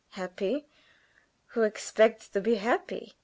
"Happy! Who expects to be happy?